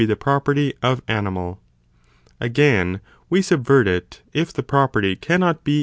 the property of animal. Again, we subvert it, if the property cannot be 5.